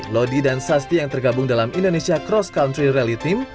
lodi dan sasti yang tergabung dalam indonesia cross country reality team